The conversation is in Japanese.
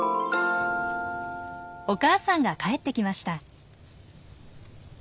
お母さんが帰ってきました。